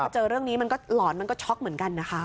เจอเรื่องนี้มันก็หลอนมันก็ช็อกเหมือนกันนะคะ